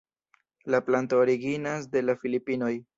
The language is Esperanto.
La planto originas de la Filipinoj.